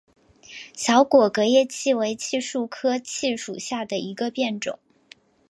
小果革叶槭为槭树科槭属下的一个变种。